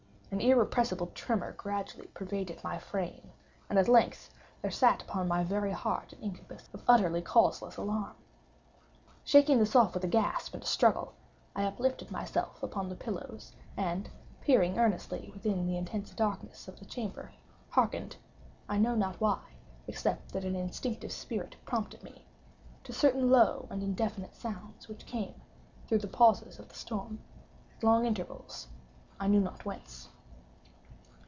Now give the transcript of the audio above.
An irrepressible tremor gradually pervaded my frame; and, at length, there sat upon my very heart an incubus of utterly causeless alarm. Shaking this off with a gasp and a struggle, I uplifted myself upon the pillows, and, peering earnestly within the intense darkness of the chamber, harkened—I know not why, except that an instinctive spirit prompted me—to certain low and indefinite sounds which came, through the pauses of the storm, at long intervals, I knew not whence.